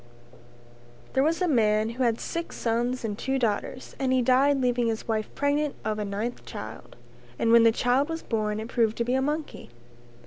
There was once a man who had six sons and two daughters and he died leaving his wife pregnant of a ninth child. And when the child was born it proved to be a monkey.